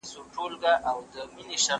زه پرون کتابتون ته وم!